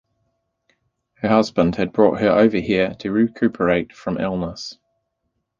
Her husband had brought her over here to recuperate from illness.